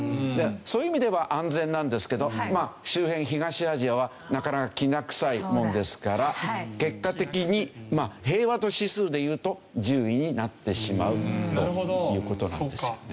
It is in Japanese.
そういう意味では安全なんですけど周辺東アジアはなかなかきな臭いもんですから結果的に平和度指数でいうと１０位になってしまうという事なんですよね。